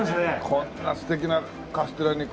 こんな素敵なカステラに。